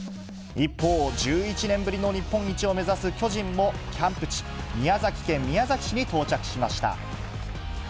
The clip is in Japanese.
一方、１１年ぶりの日本一を目指す巨人も、キャンプ地、宮崎県宮崎市に到着しました。